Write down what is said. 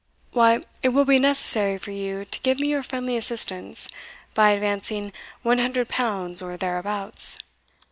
"Why, it will be necessary for you to give me your friendly assistance, by advancing one hundred pounds or thereabouts."